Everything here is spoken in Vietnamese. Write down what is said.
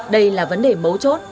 đây là vấn đề mấu chốt